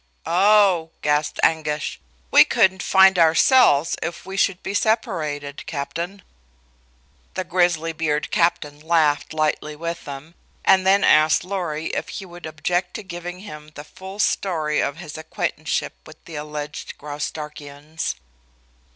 "Oh!" gasped Anguish. "We couldn't find ourselves if we should be separated, Captain." The grizzly bearded Captain laughed lightly with them, and then asked Lorry if he would object to giving him the full story of his acquaintanceship with the alleged Graustarkians.